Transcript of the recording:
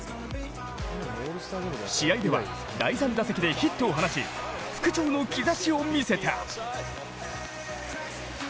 試合では第３打席でヒットを放ち復調の兆しを見せた。